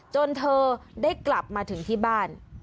จนเธอได้กลับมาถึงที่บ้าน